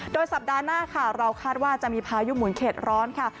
โดยสัปดาห์หน้าค่ะเราคาดว่าจะมีพายุหมุนเข็ดร้อนค่ะ